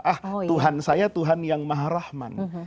ah tuhan saya tuhan yang maha rahman